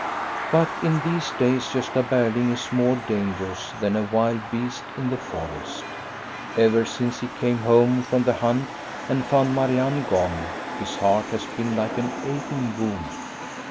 But in these days Gosta Berling is more dangerous than a wild beast in the forest. Ever since he came home from the hunt and found Marianne gone, his heart has been like an aching wound.